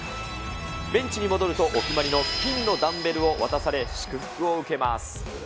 ベンチに戻ると、お決まりの金のダンベルを渡され、祝福を受けます。